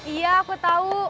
iya aku tahu